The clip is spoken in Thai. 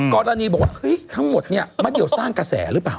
กรณีบอกว่าเฮ้ยทั้งหมดเนี่ยมันเดี๋ยวสร้างกระแสหรือเปล่า